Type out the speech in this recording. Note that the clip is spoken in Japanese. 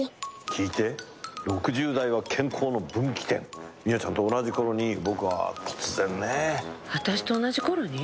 聞いて６０代は健康の分岐点みよちゃんと同じ頃に僕は突然ね私と同じ頃に？